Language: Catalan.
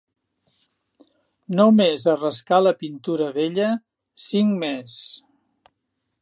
No més a rascar la pintura vella, cinc més